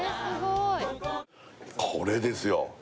これですよ